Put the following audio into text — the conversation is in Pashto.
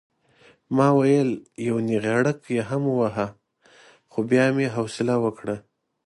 ما ویل یو نېغړک یې ووهم خو بیا مې حوصله وکړه.